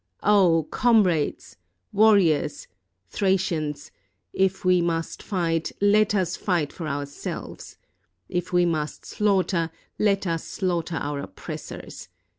Oh, comrades! war riors! Thracians! if we must fight, let us fight for our selves! If we must slaughter, let us slaughter our op pressors!